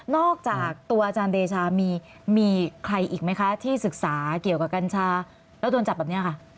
อกจากตัวอาจารย์เดชามีใครอีกไหมคะที่ศึกษาเกี่ยวกับกัญชาแล้วโดนจับแบบนี้ค่ะ